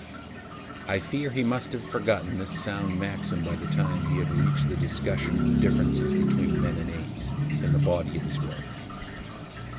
I fear he must have forgotten this sound maxim by the time he had reached the discussion of the differences between men and apes, in the body of his work.